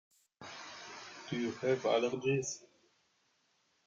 Do you have allergies?